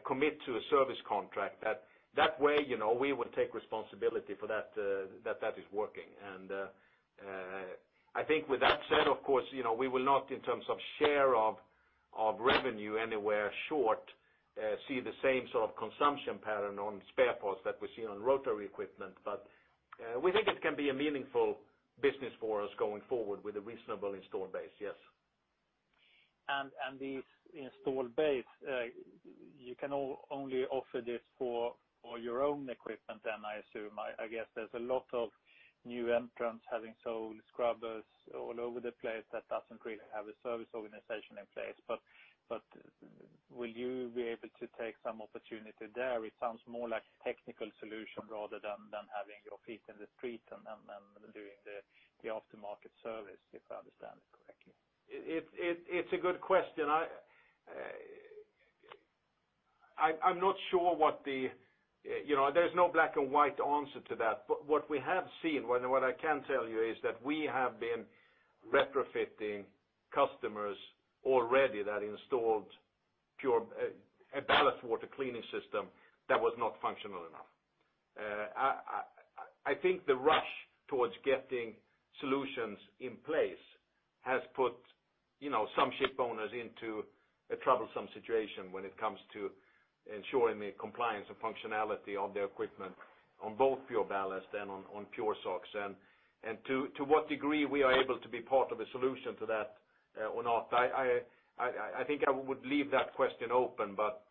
commit to a service contract. That way, we would take responsibility for that is working. I think with that said, of course, we will not, in terms of share of revenue anywhere short, see the same sort of consumption pattern on spare parts that we see on rotary equipment. We think it can be a meaningful business for us going forward with a reasonable install base, yes. This install base, you can only offer this for your own equipment, I assume. I guess there's a lot of new entrants having sold scrubbers all over the place that doesn't really have a service organization in place. Will you be able to take some opportunity there? It sounds more like a technical solution rather than having your feet in the street and then doing the aftermarket service, if I understand correctly. It's a good question. I'm not sure there's no black and white answer to that. What we have seen, what I can tell you is that we have been retrofitting customers already that installed a ballast water cleaning system that was not functional enough. I think the rush towards getting solutions in place has put some ship owners into a troublesome situation when it comes to ensuring the compliance and functionality of their equipment on both PureBallast and on PureSOx. To what degree we are able to be part of a solution to that or not. I think I would leave that question open, but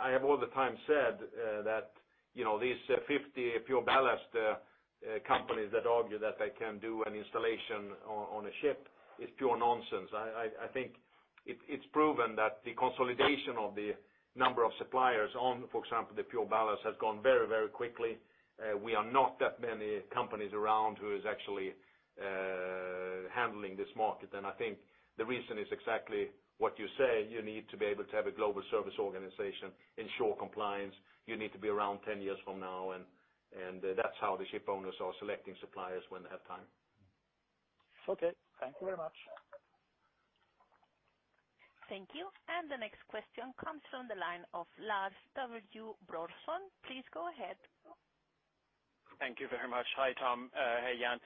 I have all the time said that these 50 PureBallast companies that argue that they can do an installation on a ship is pure nonsense. I think it's proven that the consolidation of the number of suppliers on, for example, the PureBallast has gone very quickly. We are not that many companies around who is actually handling this market. I think the reason is exactly what you say. You need to be able to have a global service organization, ensure compliance. You need to be around 10 years from now, that's how the shipowners are selecting suppliers when they have time. Okay. Thank you very much. Thank you. The next question comes from the line of Lars W. Brorson. Please go ahead. Thank you very much. Hi, Tom. Hey, Jan.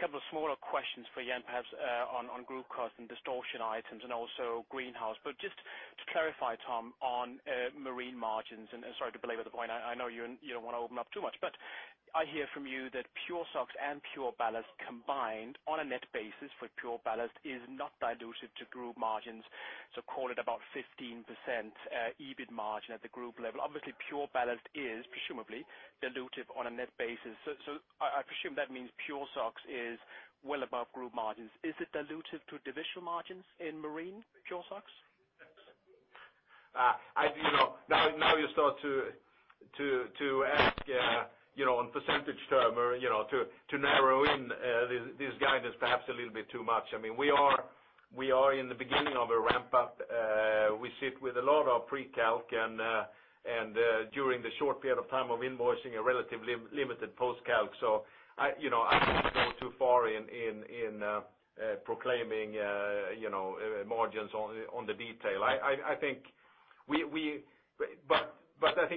Couple of smaller questions for Jan, perhaps, on group cost and distortion items and also Greenhouse. Just to clarify, Tom, on marine margins, and sorry to belabor the point, I know you don't want to open up too much, but I hear from you that PureSOx and PureBallast combined on a net basis for PureBallast is not dilutive to group margins. Call it about 15% EBIT margin at the group level. Obviously, PureBallast is presumably dilutive on a net basis. I presume that means PureSOx is well above group margins. Is it dilutive to divisional margins in marine, PureSOx? Now you start to ask on percentage term or to narrow in this guidance perhaps a little bit too much. We are in the beginning of a ramp-up. We sit with a lot of pre-calc and during the short period of time of invoicing, a relatively limited post-calc. I wouldn't go too far in proclaiming margins on the detail. I think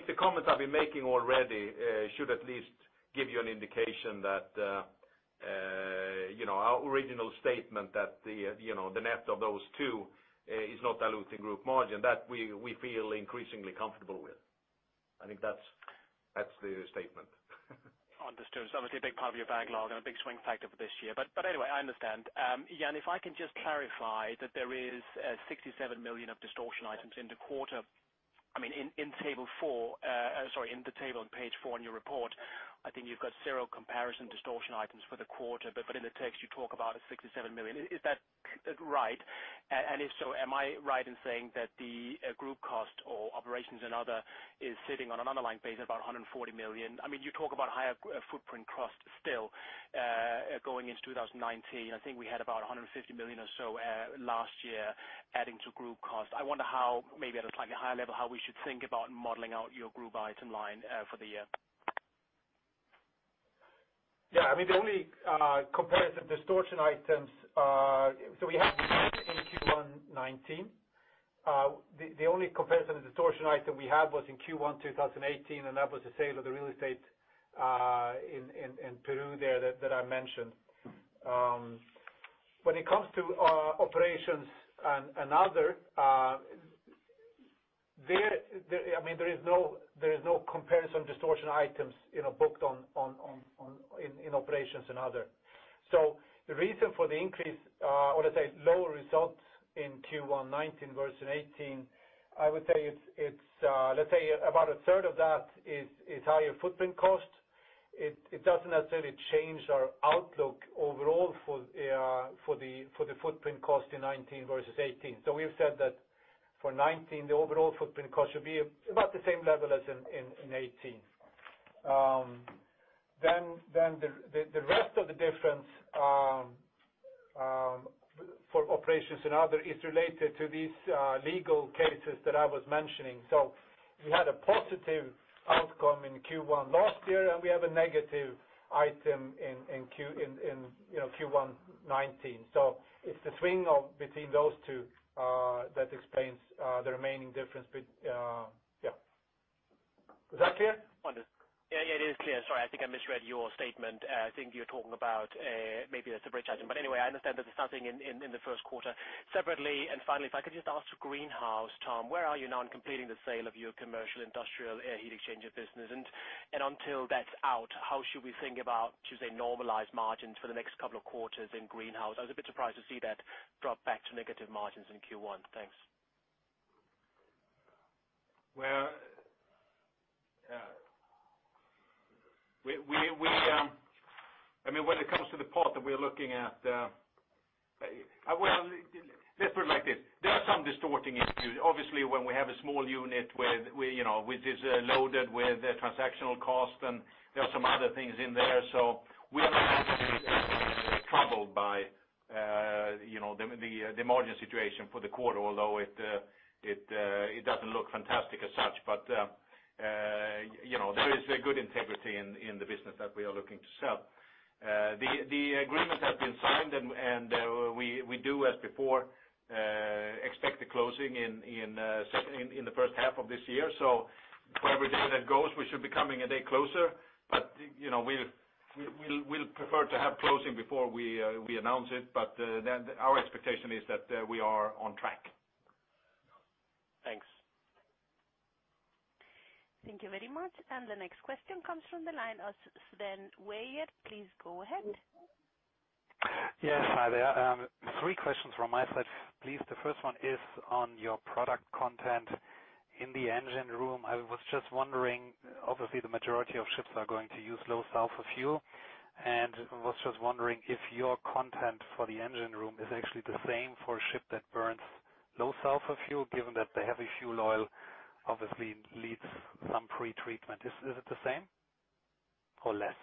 the comments I've been making already should at least give you an indication that our original statement that the net of those two is not diluting group margin, that we feel increasingly comfortable with. I think that's the statement. Understood. It's obviously a big part of your backlog and a big swing factor for this year. Anyway, I understand. Jan, if I can just clarify that there is 67 million of distortion items in the quarter. In the table on page four in your report, I think you've got zero comparison distortion items for the quarter, but in the text you talk about a 67 million. Is that right? If so, am I right in saying that the group cost or Operations and Other is sitting on an underlying basis about 140 million? You talk about higher footprint cost still going into 2019. I think we had about 150 million or so last year adding to group cost. I wonder how, maybe at a slightly higher level, how we should think about modeling out your group item line for the year. Yeah. The only comparison distortion item we had was in Q1 2018, and that was the sale of the real estate in Peru there that I mentioned. When it comes to our Operations and Other, there is no comparison distortion items booked in Operations and Other. The reason for the increase, or let's say lower results in Q1 2019 versus 2018, I would say it's, let's say about a third of that is higher footprint cost. It doesn't necessarily change our outlook overall for the footprint cost in 2019 versus 2018. We have said that for 2019, the overall footprint cost should be about the same level as in 2018. The rest of the difference for Operations and Other is related to these legal cases that I was mentioning. We had a positive outcome in Q1 last year, and we have a negative item in Q1 2019. It's the swing between those two that explains the remaining difference. Was that clear? Understood. Yeah, it is clear. Sorry, I think I misread your statement. I think you're talking about maybe a separate item. Anyway, I understand that it's nothing in the first quarter. Separately, finally, if I could just ask Greenhouse division, Tom, where are you now in completing the sale of your commercial industrial heat exchanger business? Until that's out, how should we think about, should say, normalized margins for the next couple of quarters in Greenhouse division? I was a bit surprised to see that drop back to negative margins in Q1. Thanks. Well, when it comes to the part that we're looking at. Well, let's put it like this. There are some distorting issues. Obviously, when we have a small unit which is loaded with transactional cost, and there are some other things in there. We are not actually troubled by the margin situation for the quarter, although it doesn't look fantastic as such. There is a good integrity in the business that we are looking to sell. The agreement has been signed, we do, as before, expect the closing in the first half of this year. For every day that goes, we should be coming a day closer. We'll prefer to have closing before we announce it. Our expectation is that we are on track. Thank you very much. The next question comes from the line of Sven Weier. Please go ahead. Yes. Hi there. Three questions from my side, please. The first one is on your product content in the engine room. I was just wondering, obviously, the majority of ships are going to use low sulfur fuel, and I was just wondering if your content for the engine room is actually the same for a ship that burns low sulfur fuel, given that the heavy fuel oil obviously needs some pretreatment. Is it the same or less?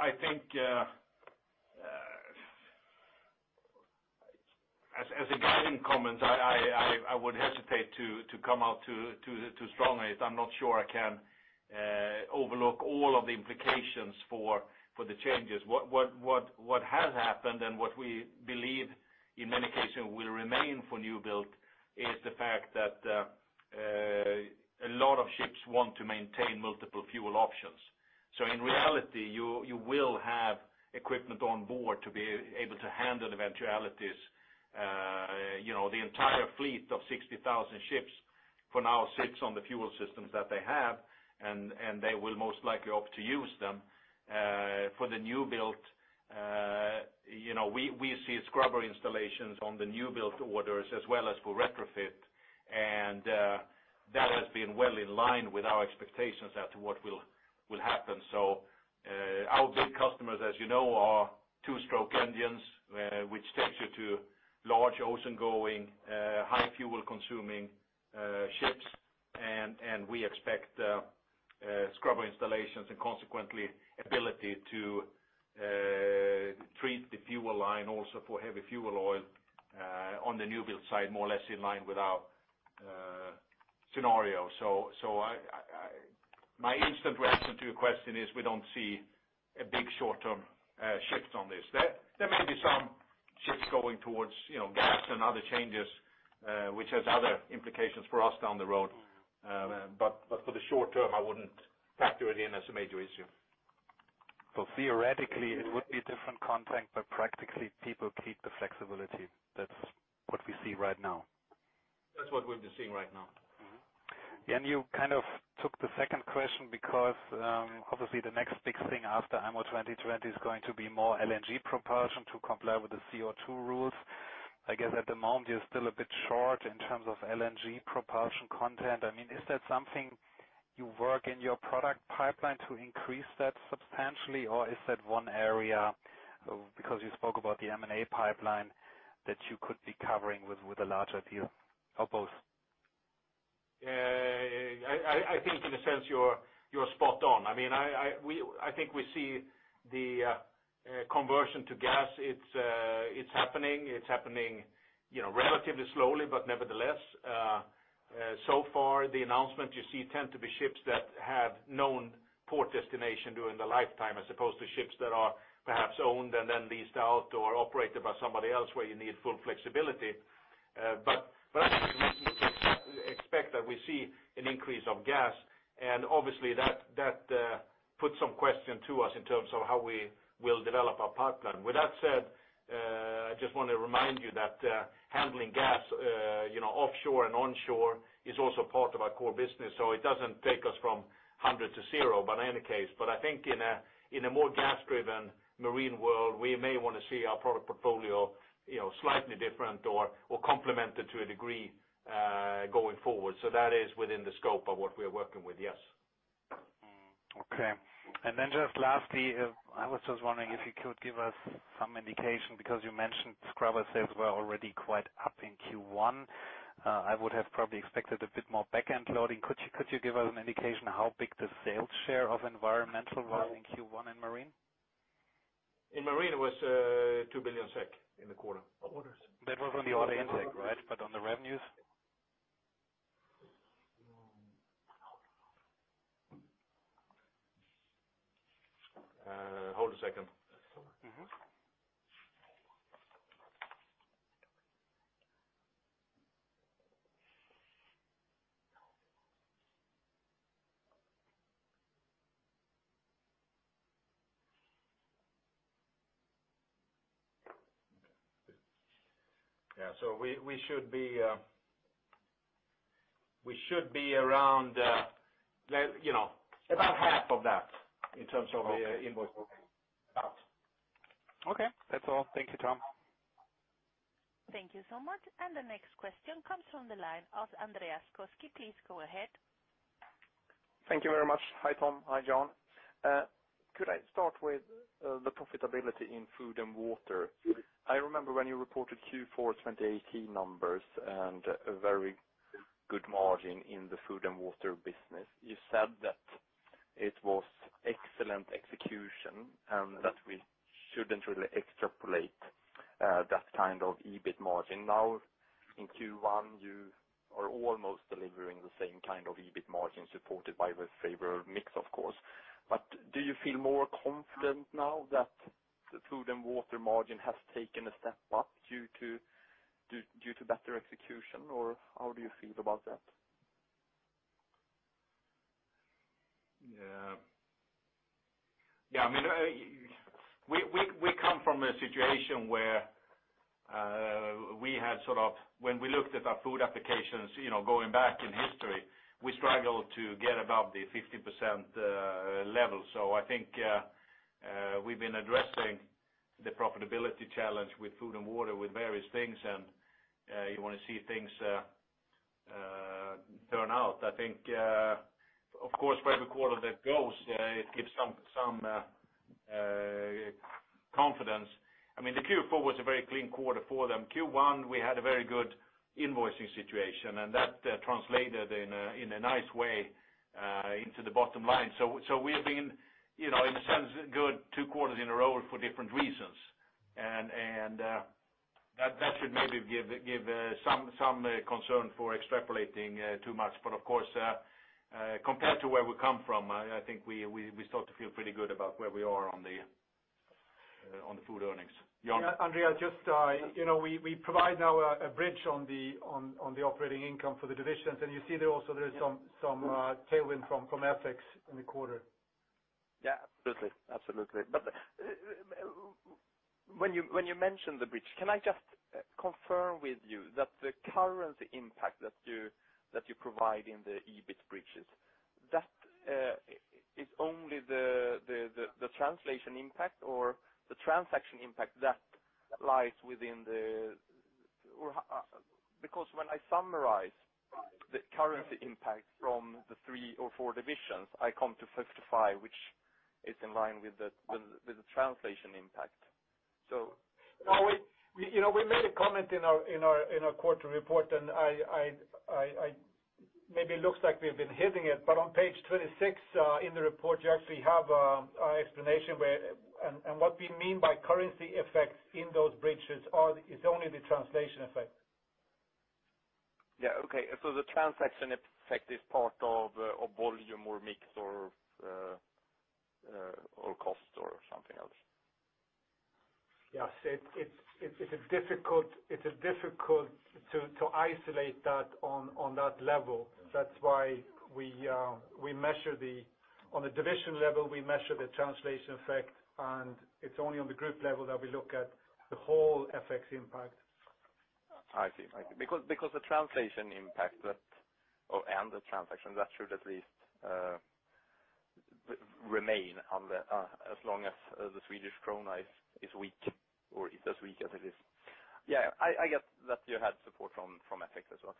I think, as a guiding comment, I would hesitate to come out too strongly. I'm not sure I can overlook all of the implications for the changes. What has happened and what we believe in many cases will remain for new build is the fact that a lot of ships want to maintain multiple fuel options. In reality, you will have equipment on board to be able to handle eventualities. The entire fleet of 60,000 ships for now sits on the fuel systems that they have, and they will most likely opt to use them. For the new build, we see scrubber installations on the new build orders as well as for retrofit. That has been well in line with our expectations as to what will happen. Our big customers, as you know, are two-stroke engines, which takes you to large ocean-going, high fuel-consuming ships. We expect scrubber installations and consequently ability to treat the fuel line also for heavy fuel oil on the new build side, more or less in line with our scenario. My instant reaction to your question is we don't see a big short-term shift on this. There may be some shifts going towards gas and other changes, which has other implications for us down the road. For the short term, I wouldn't factor it in as a major issue. Theoretically, it would be a different contract. Practically, people keep the flexibility. That's what we see right now. That's what we've been seeing right now. Mm-hmm. You kind of took the second question because, obviously the next big thing after IMO 2020 is going to be more LNG propulsion to comply with the CO2 rules. I guess at the moment you're still a bit short in terms of LNG propulsion content. Is that something you work in your product pipeline to increase that substantially, or is that one area, because you spoke about the M&A pipeline, that you could be covering with a larger deal, or both? I think in a sense you're spot on. I think we see the conversion to gas. It's happening. It's happening relatively slowly, but nevertheless, so far the announcements you see tend to be ships that have known port destination during their lifetime, as opposed to ships that are perhaps owned and then leased out or operated by somebody else, where you need full flexibility. I think we can expect that we see an increase of gas, and obviously that puts some question to us in terms of how we will develop our pipeline. With that said, I just want to remind you that handling gas offshore and onshore is also part of our core business, so it doesn't take us from 100 to zero, but in any case. I think in a more gas-driven marine world, we may want to see our product portfolio slightly different or complemented to a degree going forward. That is within the scope of what we're working with, yes. Okay. Just lastly, I was just wondering if you could give us some indication, because you mentioned scrubber sales were already quite up in Q1. I would have probably expected a bit more backend loading. Could you give us an indication how big the sales share of environmental was in Q1 in marine? In marine, it was 2 billion SEK in the quarter. That was on the order intake, right? On the revenues? Hold a second. Yeah. We should be around about half of that in terms of the invoice booking out. Okay. That's all. Thank you, Tom. Thank you so much. The next question comes from the line of Andreas Koski. Please go ahead. Thank you very much. Hi, Tom. Hi, Jan. Could I start with the profitability in Food and Water? I remember when you reported Q4 2018 numbers and a very good margin in the Food and Water business. You said that it was excellent execution and that we shouldn't really extrapolate that kind of EBIT margin. Now in Q1, you are almost delivering the same kind of EBIT margin supported by the favorable mix, of course. Do you feel more confident now that the Food and Water margin has taken a step up due to better execution, or how do you feel about that? We come from a situation where when we looked at our food applications going back in history, we struggled to get above the 15% level. I think we've been addressing the profitability challenge with Food and Water, with various things, and you want to see things turn out. I think, of course, every quarter that goes, it gives some confidence. The Q4 was a very clean quarter for them. Q1, we had a very good invoicing situation, and that translated in a nice way into the bottom line. We have been, in a sense, good two quarters in a row for different reasons, and that should maybe give some concern for extrapolating too much. Of course, compared to where we come from, I think we start to feel pretty good about where we are on the food earnings. Jan? Andreas, we provide now a bridge on the operating income for the divisions, and you see there also there's some tailwind from FX in the quarter. Absolutely. When you mention the bridge, can I just confirm with you that the currency impact that you provide in the EBIT bridges, that is only the translation impact or the transaction impact that lies within the-- Because when I summarize the currency impact from the three or four divisions, I come to 55, which is in line with the translation impact. We made a comment in our quarter report, maybe it looks like we've been hitting it, on page 26 in the report, you actually have an explanation. What we mean by currency effects in those bridges is only the translation effect. Yeah. Okay. The transaction effect is part of volume or mix or cost or something else? Yes. It is difficult to isolate that on that level. That's why on a division level, we measure the translation effect, and it's only on the group level that we look at the whole FX impact. I see. The translation impact, and the transaction, that should at least remain as long as the Swedish krona is weak or is as weak as it is. Yeah, I get that you had support from FX as well.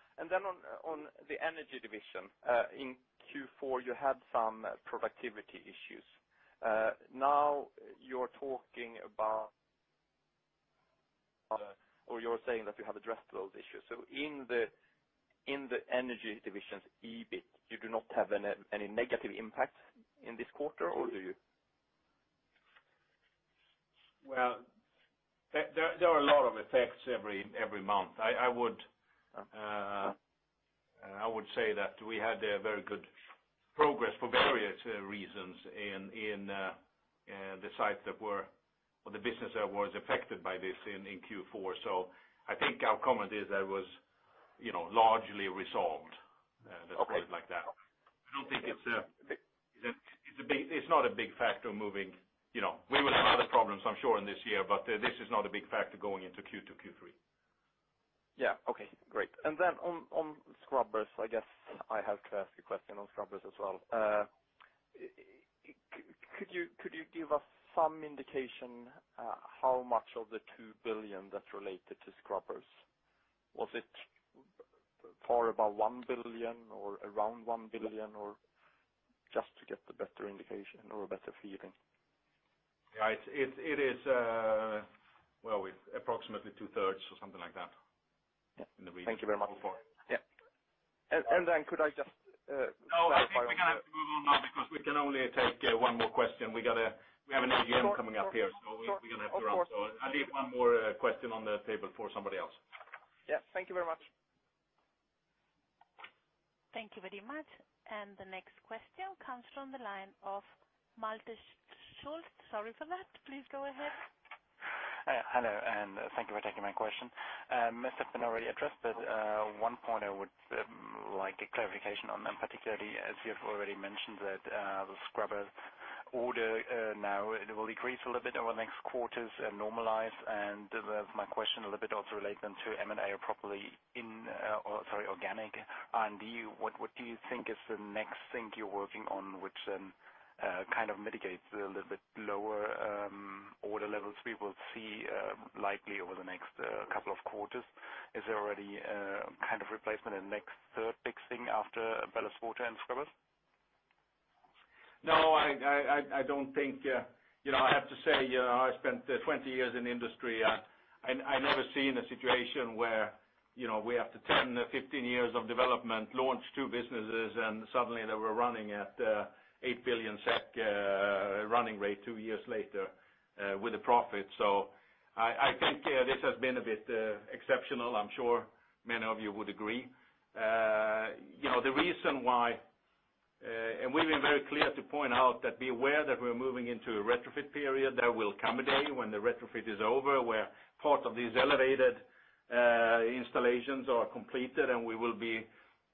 On the Energy division, in Q4, you had some productivity issues. Now you're talking about, or you're saying that you have addressed those issues. In the Energy division's EBIT, you do not have any negative impact in this quarter, or do you? Well, there are a lot of effects every month. I would say that we had a very good progress for various reasons in the sites or the business that was affected by this in Q4. I think our comment is that it was largely resolved. Okay. Let's put it like that. It's not a big factor. We will have other problems, I'm sure, in this year, this is not a big factor going into Q2, Q3. Yeah. Okay, great. On scrubbers, I guess I have to ask a question on scrubbers as well. Could you give us some indication how much of the 2 billion that's related to scrubbers? Was it far above 1 billion or around 1 billion? Just to get a better indication or a better feeling. Yeah. It is approximately two-thirds or something like that in the region. Thank you very much. Yeah. Could I just clarify- No, I think we're going to have to move on now because we can only take one more question. We have an AGM coming up here. We're going to have to run. Of course. I'll leave one more question on the table for somebody else. Yeah. Thank you very much. Thank you very much. The next question comes from the line of Malte Schulz. Sorry for that. Please go ahead. Hello. Thank you for taking my question. It must have been already addressed, one point I would like a clarification on, particularly as you have already mentioned that the scrubber order now, it will decrease a little bit over the next quarters and normalize. My question a little bit also related to M&A, sorry, organic. What do you think is the next thing you're working on, which then kind of mitigates the little bit lower order levels we will see likely over the next couple of quarters? Is there already a kind of replacement in next third big thing after ballast water and scrubbers? No, I don't think. I have to say, I spent 20 years in the industry. I never seen a situation where we have to turn 15 years of development, launch two businesses, suddenly they were running at 8 billion SEK running rate two years later with a profit. I think this has been a bit exceptional. I'm sure many of you would agree. The reason why, we've been very clear to point out that be aware that we're moving into a retrofit period. There will come a day when the retrofit is over, where part of these elevated installations are completed, and we will be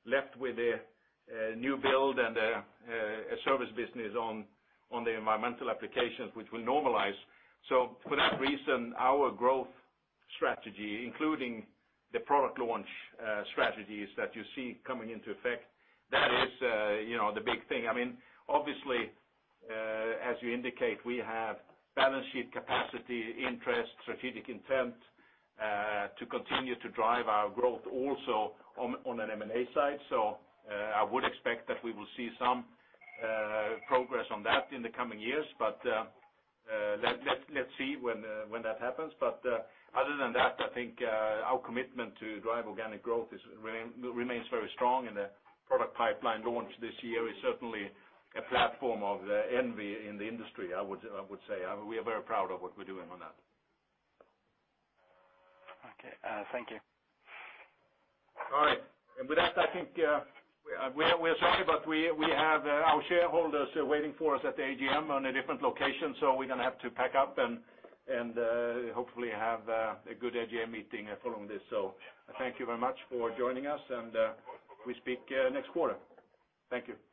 left with a new build and a service business on the environmental applications, which will normalize. For that reason, our growth strategy, including the product launch strategies that you see coming into effect, that is the big thing. Obviously, as you indicate, we have balance sheet capacity, interest, strategic intent to continue to drive our growth also on an M&A side. I would expect that we will see some progress on that in the coming years, let's see when that happens. Other than that, I think our commitment to drive organic growth remains very strong, the product pipeline launch this year is certainly a platform of envy in the industry, I would say. We are very proud of what we're doing on that. Okay. Thank you. All right. With that, I think we are sorry, but we have our shareholders waiting for us at the AGM on a different location. We're going to have to pack up and hopefully have a good AGM meeting following this. Thank you very much for joining us, and we speak next quarter. Thank you.